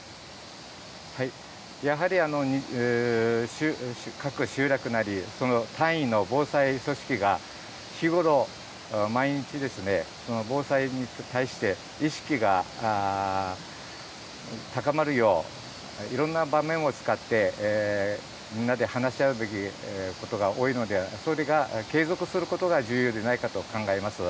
やはり各集落なり、その単位の防災組織が日頃、毎日ですね、防災に対して意識が高まるよう、いろんな場面を使って、みんなで話し合うべきことが多いので、それが継続することが重要でないかと考えます。